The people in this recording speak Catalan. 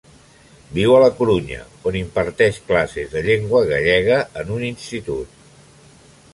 Viu a la Corunya, on imparteix classes de llengua gallega en un institut.